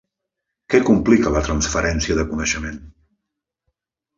Què complica la transferència de coneixement?